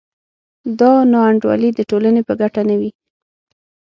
دا نا انډولي د ټولنې په ګټه نه وي.